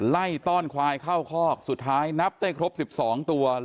ต้อนควายเข้าคอกสุดท้ายนับได้ครบ๑๒ตัว